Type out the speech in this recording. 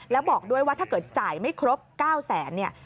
แล้วบอกด้วยว่าถ้าเกิดจ่ายไม่ครบ๙แสนเนี่ย